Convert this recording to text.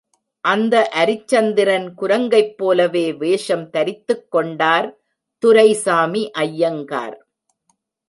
அந்த அரிச்சந்திரன் குரங்கைப்போலவே வேஷம் தரித்துக் கொண்டார் துரைசாமி ஐயங்கார்!